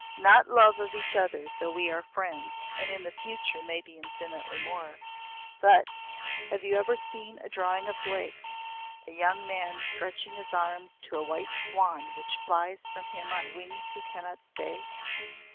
"Not love of each other though we are friends and in the future may be infinitely more. But have you ever seen a drawing of Blake's a young man stretching his arms to a white swan which flies from him on wings he cannot stay?